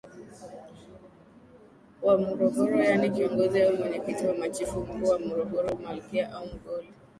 wa Morogoro yaani Kiongozi au Mwenyekiti wa Machifu Wakuu wa MorogoroMalkia au Mgoli